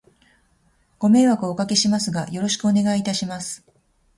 ご迷惑をお掛けしますが、よろしくお願いいたします。